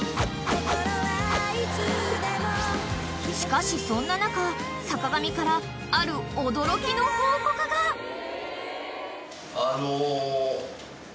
［しかしそんな中坂上からある驚きの報告が］え！